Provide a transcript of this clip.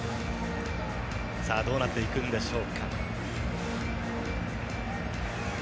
どうなっていくんでしょうか。